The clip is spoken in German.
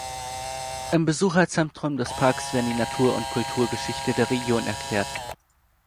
Im Besucherzentrum des Parks werden die Natur- und Kulturgeschichte der Region erklärt.